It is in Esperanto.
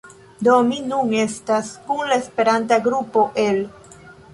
Do mi nun estas kun la Esperanta grupo el